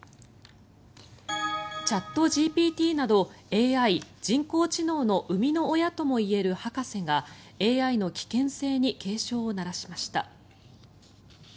チャットＧＰＴなどＡＩ・人工知能の生みの親ともいえる博士がＡＩの危険性に警鐘を鳴らしました。